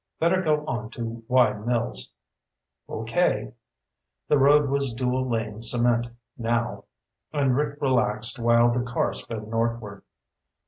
Better go on to Wye Mills." "Okay." The road was dual lane cement, now, and Rick relaxed while the car sped northward.